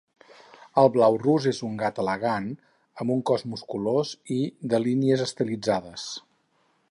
El blau rus és un gat elegant, amb un cos musculós i de línies estilitzades.